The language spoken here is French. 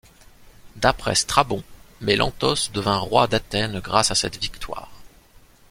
D’après Strabon, Mélanthos devint roi d’Athènes grâce à cette victoire.